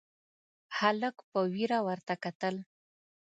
هلک په وېره ورته کتل: